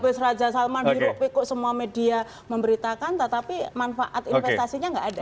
bus raja salman di republik kok semua media memberitakan tetapi manfaat investasinya nggak ada